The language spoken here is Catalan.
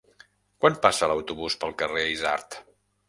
Quan passa l'autobús pel carrer Isard?